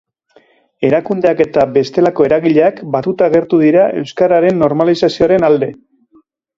Erakundeak eta bestelako eragileak batuta agertu dira euskararen normalizazioaren alde.